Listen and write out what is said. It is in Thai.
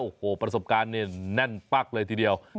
โอ้โหประสบการณ์เนี่ยแน่นปั๊กเลยทีเดียว